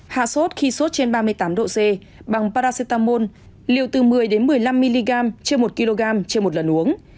hạ sốt khi sốt trên ba mươi tám độ c bằng paracetamol liều từ một mươi một mươi năm mg trên một kg trên một lần uống